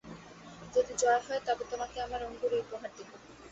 যদি জয় হয় তবে তােমাকে আমার অঙ্গুরী উপহার দিব।